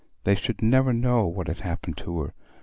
They should never know what had happened to her.